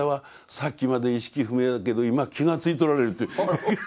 さっきまで意識不明だけど今気がついておられる」って。